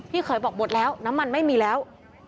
เขยบอกหมดแล้วน้ำมันไม่มีแล้ว